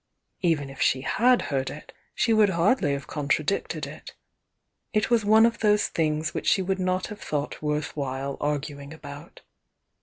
Even if she had heard it, she would hardly have contradicted it; it was one of those things which she would not have thought worth while arguing about.